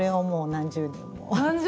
何十年も。